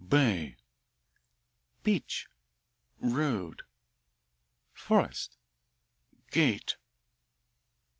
"Bay." "Beach." "Road." "Forest." "Gate."